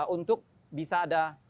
untuk bisa ada